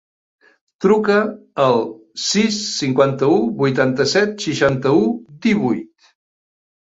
Truca al sis, cinquanta-u, vuitanta-set, seixanta-u, divuit.